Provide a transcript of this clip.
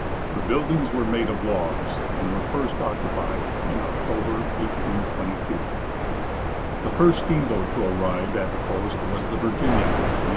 The buildings were made of logs, and were first occupied in October, 1822. The first steamboat to arrive at the post was the "Virginia," in 1823.